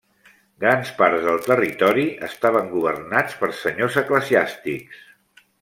Grans parts del territori estaven governats per senyors eclesiàstics.